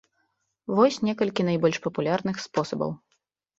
Вось некалькі найбольш папулярных спосабаў.